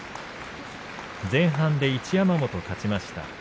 前半で一山本、勝ちました。